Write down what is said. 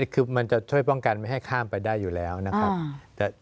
คือมันจะช่วยป้องกันไม่ให้ข้ามไปได้อยู่แล้วนะครับ